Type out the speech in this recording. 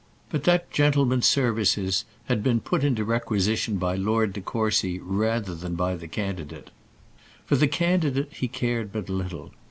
But that gentleman's services had been put into requisition by Lord de Courcy rather than by the candidate. For the candidate he cared but little.